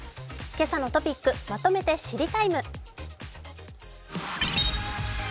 今朝のトピックまとめて「知りＴＩＭＥ，」。